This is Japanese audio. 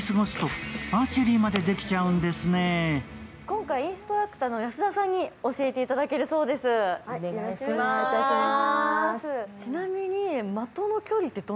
今回インストラクターの安田さんに教えていただけるそうです。